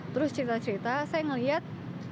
terus cerita cerita saya ngeliat